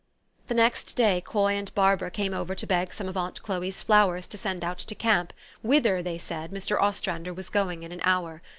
The next day Coy and Barbara came over to beg some of aunt Chloe's flowers to send ou,t to camp, whither, they said, Mr. Ostrander was going in an hour.